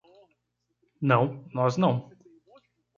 Não, nós não!